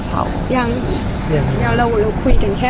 ภาษาสนิทยาลัยสุดท้าย